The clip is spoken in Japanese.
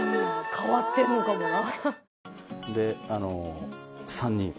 変わってるのかもな。